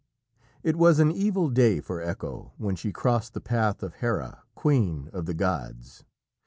It was an evil day for Echo when she crossed the path of Hera, queen of the gods.